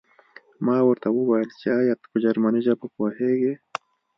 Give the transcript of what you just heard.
ما ورته وویل چې ایا ته په جرمني ژبه پوهېږې